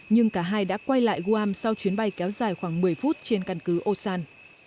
nhưng cả hai đã quay lại game sau chuyến bay kéo dài khoảng một mươi phút trên căn cứ osan